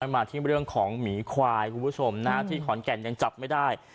มาที่เรื่องของหมีควายคุณผู้ชมที่ขอนแก่นยังจับไม่ได้